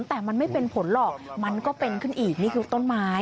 แต่มันไม่เป็นผลหรอกมันก็เป็นขึ้นอีกนี่คือต้นไม้